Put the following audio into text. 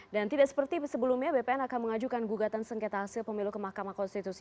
dan tidak seperti sebelumnya bpn akan mengajukan gugatan sengketa hasil pemilu ke mahkamah konstitusi